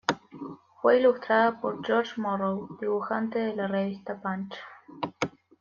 Fue ilustrada por George Morrow, dibujante de la revista "Punch".